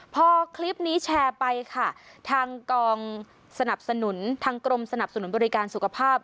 พอคลิปนี้แชร์ไปค่ะทางกรมสนับสนุนบริการสุขภาพ